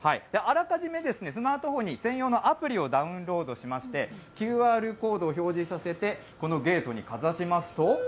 あらかじめ、スマートフォンに専用のアプリをダウンロードしまして、ＱＲコードを表示させて、このゲートにかざしますと。